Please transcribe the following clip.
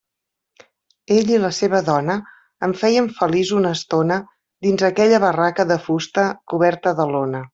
Ell i la seva dona em feien feliç una estona dins aquella barraca de fusta coberta de lona.